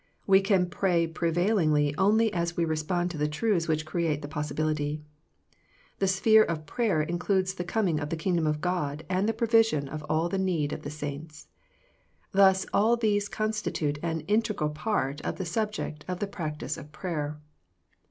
We can pray prevailingly only as we re spond to the truths which create the possibility. The sphere of prayer includes the coming of the Kingdom of God and the provision of all the need of the saints. Thus all these constitute an inte gral part of the subject of the practice of prayer.